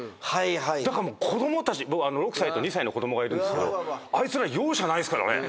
だから子供たち僕６歳と２歳の子供がいるんですけどあいつら容赦ないっすからね。